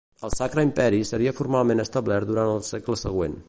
El Sacre Imperi seria formalment establert durant el segle següent.